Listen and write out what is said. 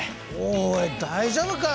おい大丈夫か？